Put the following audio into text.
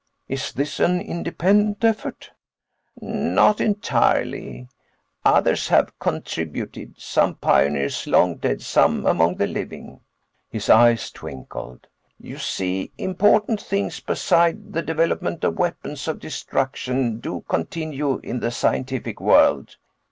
"Is this an independent effort?" "Not entirely. Others have contributed. Some pioneers long dead, some among the living." His eyes twinkled. "You see, important things beside the development of weapons of destruction do continue in the scientific world.